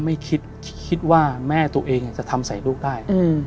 ไม่คิดคิดว่าแม่ตัวเองจะทำใส่ลูกได้